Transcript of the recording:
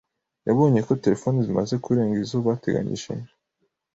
yabonye ko telefoni zimaze kurenga izo bateganyije